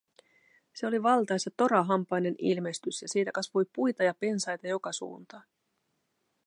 Se oli valtaisa torahampainen ilmestys ja siitä kasvoi puita ja pensaita joka suuntaan.